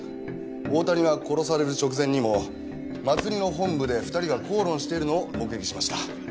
大谷が殺される直前にも祭りの本部で２人が口論しているのを目撃しました。